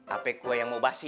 ape kue yang mau basi